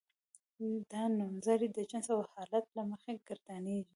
دا نومځري د جنس او حالت له مخې ګردانیږي.